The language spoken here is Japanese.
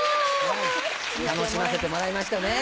楽しませてもらいましたね。